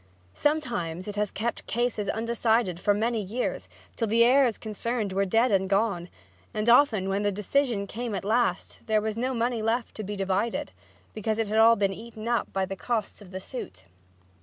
Sometimes it has kept cases undecided for many years, till the heirs concerned were dead and gone; and often when the decision came at last there was no money left to be divided, because it had all been eaten up by the costs of the suit.